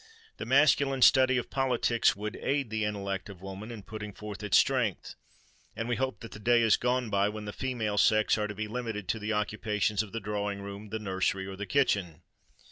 The masculine study of politics would aid the intellect of woman in putting forth its strength; and we hope that the day is gone by when the female sex are to be limited to the occupations of the drawing room, the nursery, or the kitchen.